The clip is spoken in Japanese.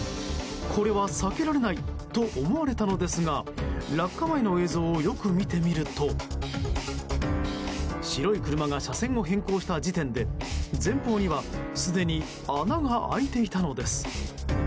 これは避けられないと思われたのですが落下前の映像をよく見てみると白い車が車線を変更した時点で前方にはすでに穴が開いていたのです。